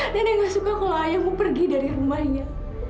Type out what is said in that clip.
nenek gak suka kalau ayahmu pergi dari rumahnya